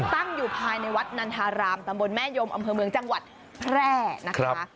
ตั้งอยู่ภายในวัดนันทารามตำบลแม่ยมอำเภอเมืองจังหวัดแพร่นะคะ